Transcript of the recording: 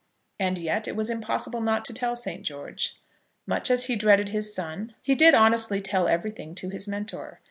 And yet it was impossible not to tell St. George. Much as he dreaded his son, he did honestly tell everything to his Mentor.